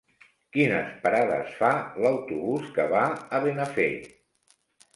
Quines parades fa l'autobús que va a Benafer?